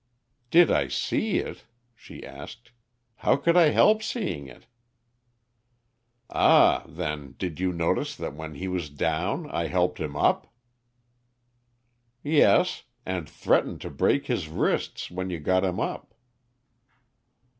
"Did I see it?" she asked. "How could I help seeing it?" "Ah, then, did you notice that when he was down I helped him up?" "Yes; and threatened to break his wrists when you got him up."